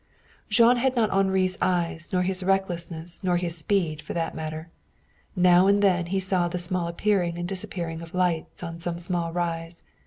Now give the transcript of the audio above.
Jean had not Henri's eyes nor his recklessness nor his speed, for that matter. Now and then he saw the small appearing and disappearing lights on some small rise.